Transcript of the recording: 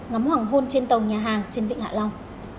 ngắm hoàng hôn trên tàu nhà hàng trên vịnh hạ long